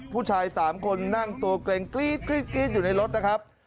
ผู้ชาย๓คนนั่งตัวเกร็งกรี๊ดอยู่ในรถนะครับ